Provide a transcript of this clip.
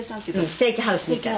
ステーキハウス。